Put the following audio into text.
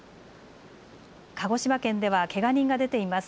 鹿児島県ではけが人が出ています。